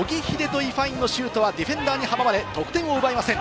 イファインのシュートはディフェンダーに阻まれ、シュートを奪えません。